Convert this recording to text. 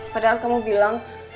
padahal kamu bilang